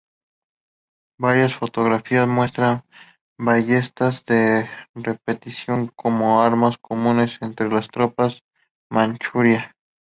Varias fotografías muestran ballestas de repetición como armas comunes entre las tropas de Manchuria.